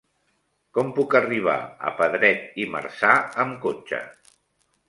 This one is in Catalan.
Com puc arribar a Pedret i Marzà amb cotxe?